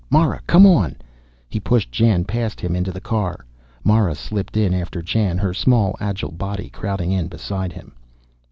Mara, come on." He pushed Jan past him, into the car. Mara slipped in after Jan, her small agile body crowding in beside him.